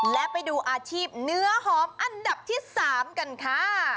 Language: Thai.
และไปดูอาชีพเนื้อหอมอันดับที่๓กันค่ะ